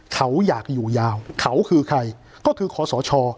เขาอยากอยู่ยาวเขาคือใครก็คือคอสช